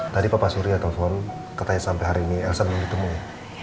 tadi pak pak suria telepon kayak sampai hari ini elsa belum ditemu ya